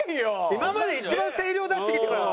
今までで一番声量出してきたから。